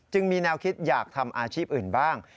มีแนวคิดอยากทำอาชีพอื่นบ้าง